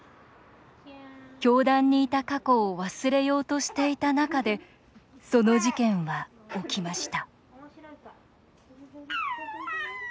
教団にいた過去を忘れようとしていた中でその事件は起きました。